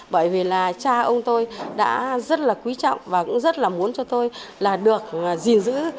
bởi vì là cha ông tôi đã rất là quý trọng và cũng rất là muốn cho tôi là được gìn giữ